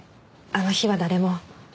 あの日は誰も。